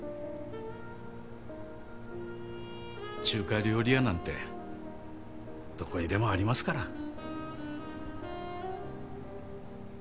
中華料理屋なんてどこにでもありますから。